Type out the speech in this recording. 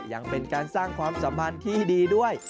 ยังเป็นการสร้างความสัมพันธ์ที่ดีด้วย